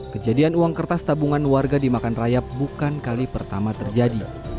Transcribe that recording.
kejadian uang kertas tabungan warga dimakan rayap bukan kali pertama terjadi